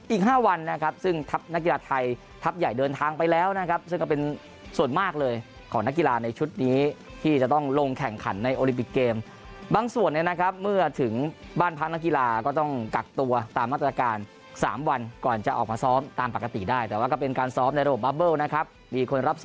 อีก๕วันนะครับซึ่งทัพนักกีฬาไทยทัพใหญ่เดินทางไปแล้วนะครับซึ่งก็เป็นส่วนมากเลยของนักกีฬาในชุดนี้ที่จะต้องลงแข่งขันในโอลิปิกเกมบางส่วนเนี่ยนะครับเมื่อถึงบ้านพักนักกีฬาก็ต้องกักตัวตามมาตรการ๓วันก่อนจะออกมาซ้อมตามปกติได้แต่ว่าก็เป็นการซ้อมในระบบบับเบิ้ลนะครับมีคนรับส